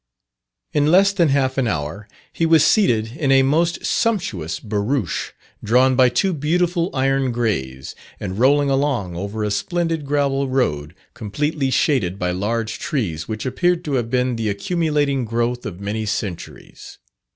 In less than half an hour, he was seated in a most sumptuous barouch, drawn by two beautiful iron greys, and rolling along over a splendid gravel road, completely shaded by large trees which appeared to have been the accumulating growth of many centuries.